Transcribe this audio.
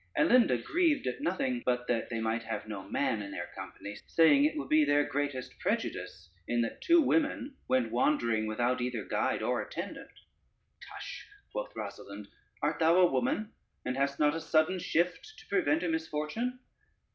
Alinda grieved at nothing but that they might have no man in their company, saying it would be their greatest prejudice in that two women went wandering without either guide or attendant. "Tush," quoth Rosalynde, "art thou a woman, and hast not a sudden shift to prevent a misfortune?